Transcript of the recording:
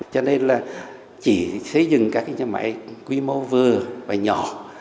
cho nên là chỉ xây dựng các cái nhà máy quy mô vừa và nhỏ